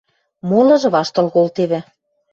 Молыжы ваштыл колтевӹ.